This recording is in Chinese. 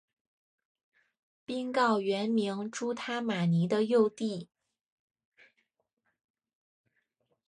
宾告原名朱他玛尼的幼弟。